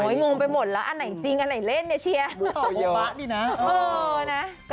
ยืนก็ได้ยืนก็ได้แต่จะมีมาก